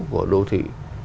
của đô thị